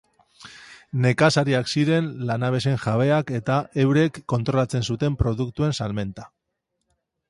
Nekazariak ziren lanabesen jabeak eta eurek kontrolatzen zuten produktuen salmenta.